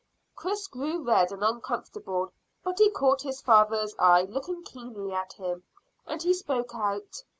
Chris grew red and uncomfortable, but he caught his father's eye looking keenly at him, and he spoke out.